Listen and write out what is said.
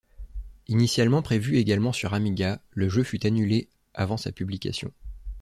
Initialement prévu également sur Amiga, le jeu fut annulé avant sa publication.